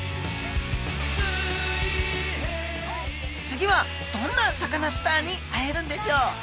次はどんなサカナスターに会えるんでしょう？